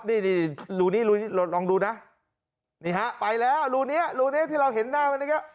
นี่ดิรูนี้รองดูนะนี่ห้ะไปแล้วรูนี้ที่เราเห็นหน้ามันเนี้ย